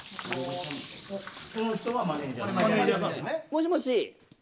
もしもし。